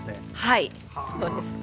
はいそうです。